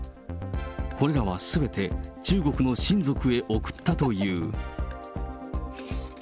これらはすべて中国の親族へ送ったという。